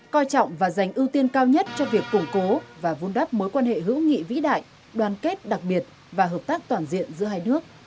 coi trọng và dành ưu tiên cao nhất cho việc củng cố và vun đắp mối quan hệ hữu nghị vĩ đại đoàn kết đặc biệt và hợp tác toàn diện giữa hai nước